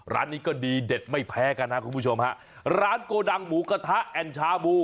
ร้านนี้ก็ดีเด็ดไม่แพ้กันนะคุณผู้ชมฮะร้านโกดังหมูกระทะแอนชาบู